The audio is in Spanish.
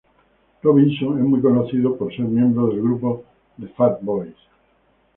Robinson es muy conocido por ser miembro del grupo The Fat Boys.